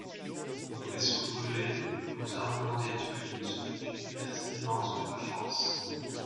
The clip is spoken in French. Nos vaisseau brûlés, nos armements détruits : ce fut une perte immense pour la France.